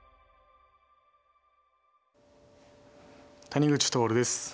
谷口徹です。